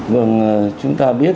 vâng chúng ta biết